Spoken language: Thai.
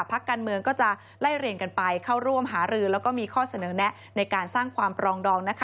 พักการเมืองก็จะไล่เรียงกันไปเข้าร่วมหารือแล้วก็มีข้อเสนอแนะในการสร้างความปรองดองนะคะ